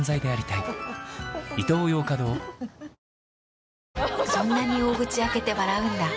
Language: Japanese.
はいそんなに大口開けて笑うんだ。